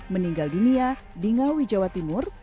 meninggal dunia di ngawi jawa timur